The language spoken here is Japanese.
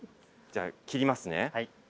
じゃあ切りますね。